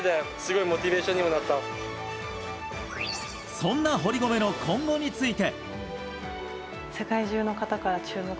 そんな堀米の今後について。